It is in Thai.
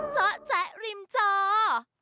เจ้าแจ๊กริมเจ้า